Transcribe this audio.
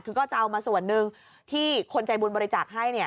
คือก็จะเอามาส่วนหนึ่งที่คนใจบุญบริจาคให้